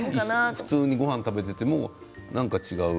普通に、ごはんを食べていてもなんか違う。